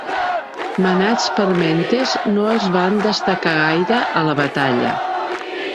Manats per Mentes, no es van destacar gaire a la batalla.